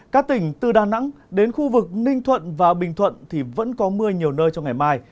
các tỉnh từ đà nẵng đến khu vực ninh thuận và bình thuận thì vẫn có mưa nhiều nơi trong ngày mai